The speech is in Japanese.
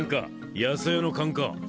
野生の勘か？